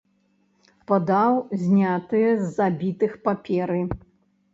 Падаў знятыя з забітых паперы.